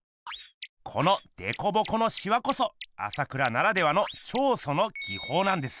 このでこぼこのしわこそ朝倉ならではの「彫塑」の技法なんです。